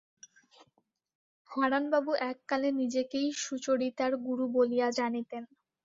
হারানবাবু এক কালে নিজেকেই সুচরিতার গুরু বলিয়া জানিতেন।